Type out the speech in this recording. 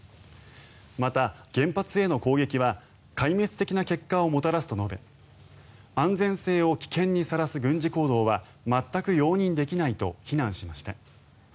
また原発への攻撃は壊滅的な結果をもたらすと述べ安全性を危険にさらす軍事行動は全く容認できないと非難しました。